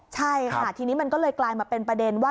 ใช่ค่ะทีนี้มันก็เลยกลายมาเป็นประเด็นว่า